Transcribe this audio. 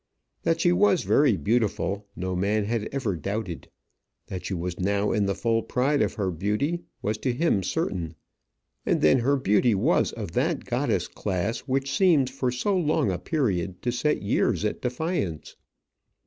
That she was very beautiful, no man had ever doubted. That she was now in the full pride of her beauty was to him certain. And then her beauty was of that goddess class which seems for so long a period to set years at defiance.